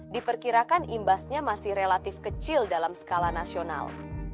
diperkirakan imbasnya masih relatif kecil dalam skala nasional